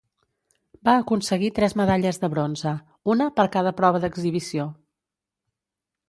Va aconseguir tres medalles de bronze, una per cada prova d'exhibició.